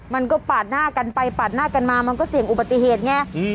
มันก็ปาดหน้ากันไปปาดหน้ากันมามันก็เสี่ยงอุบัติเหตุไง